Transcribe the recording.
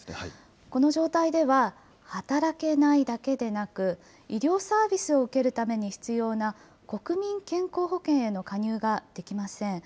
この状態では、働けないだけでなく、医療サービスを受けるために必要な国民健康保険への加入ができません。